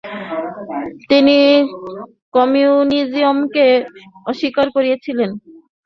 তিনি কমিউনিজমকে অস্বীকার করেছিলেন।